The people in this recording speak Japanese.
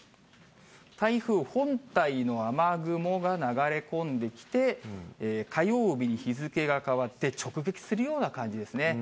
台風本体の雨雲が流れ込んできて、火曜日に日付が変わって、直撃するような感じですね。